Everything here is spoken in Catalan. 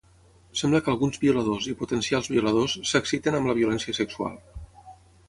Sembla que alguns violadors i potencials violadors s'exciten amb la violència sexual.